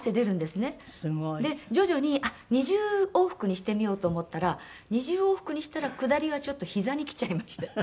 すごい。で徐々に２０往復にしてみようと思ったら２０往復にしたら下りがちょっとひざにきちゃいまして。